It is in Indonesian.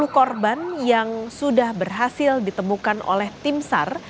sepuluh korban yang sudah berhasil ditemukan oleh tim sar